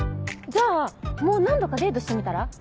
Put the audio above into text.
じゃあもう何度かデートしてみたら？